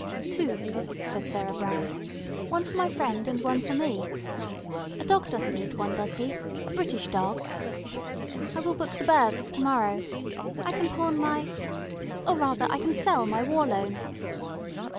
"Two," said Sarah Brown. "One for my friend and one for me. A dog doesn't need one, does he a British dog? I will book the berths to morrow. I can pawn my or rather, I can sell my War Loan."